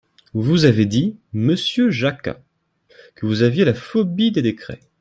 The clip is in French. Vous avez dit, monsieur Jacquat, que vous aviez la phobie des décrets.